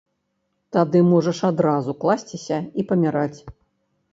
Тады можаш адразу класціся і паміраць.